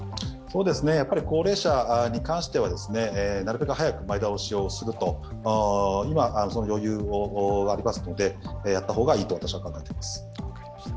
高齢者に関してはなるべく早く前倒しをすると、今、その余裕がありますのでやった方がいいと考えます。